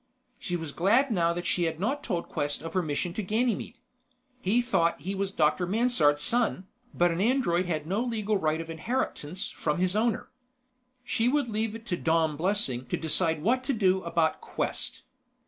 She was glad now that she had not told Quest of her mission to Ganymede. He thought he was Dr. Mansard's son, but an android had no legal right of inheritance from his owner. She would leave it to Dom Blessing to decide what to do about Quest.